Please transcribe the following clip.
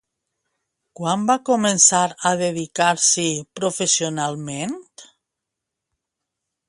Quan va començar a dedicar-s'hi professionalment?